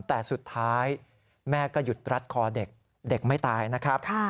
แต่สุดท้ายแม่ก็หยุดรัดคอเด็กเด็กไม่ตายนะครับ